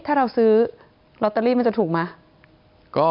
ถ้าเราซื้อลอตเตอรี่มันจะถูกไหม